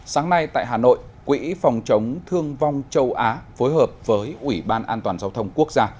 sáng nay tại hà nội quỹ phòng chống thương vong châu á phối hợp với ủy ban an toàn giao thông quốc gia